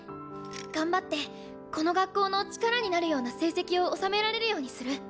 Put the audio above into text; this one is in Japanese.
頑張ってこの学校の力になるような成績を収められるようにする。